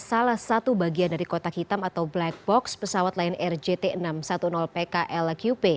salah satu bagian dari kotak hitam atau black box pesawat lion air jt enam ratus sepuluh pklqp